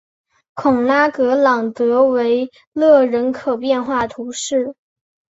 孔拉格朗德维勒人口变化图示